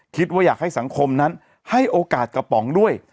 คิดว่าอยากให้สังคมนั้นให้โอกาสกระป๋องด้วย